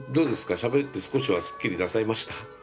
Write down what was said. しゃべって少しはスッキリなさいました？